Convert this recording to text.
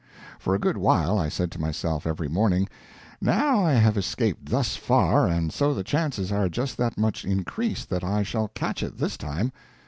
_ For a good while I said to myself every morning: "Now I have escaped thus far, and so the chances are just that much increased that I shall catch it this time.